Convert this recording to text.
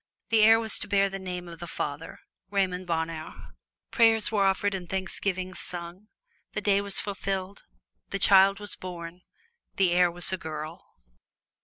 The heir was to bear the name of the father Raymond Bonheur. Prayers were offered and thanksgivings sung. The days were fulfilled. The child was born. The heir was a girl.